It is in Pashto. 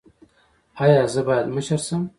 ایا زه باید مشر شم؟